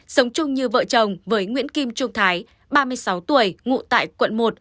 sống chung như vợ chồng với nguyễn kim trung thái ba mươi sáu tuổi ngụ tại quận một